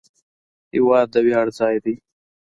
هېواد د ویاړ ځای دی.